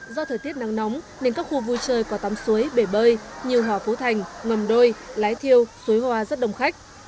do thời tiết nắng nóng nên các khu vui chơi có tắm suối bể bơi như hòa phú thành ngầm đôi lái thiêu suối hoa rất đông khách